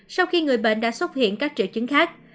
sau khi người bệnh đã xuất hiện các triệu chứng khác